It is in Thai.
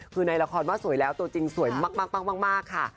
คือในละครว่าสวยแล้วตัวจริงสวยมากค่ะ